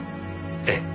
ええ。